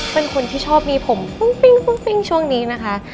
เป็นคนที่ชอบมีผมปุ้งปิ้งช่วงนี้นะคะ